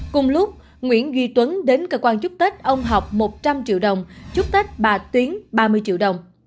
cùng lúc nguyễn duy tuấn đến cơ quan chúc tết ông học một trăm linh triệu đồng chúc tết bà tiến ba mươi triệu đồng